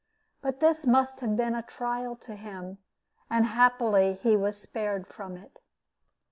But this must have been a trial to him, and happily he was spared from it.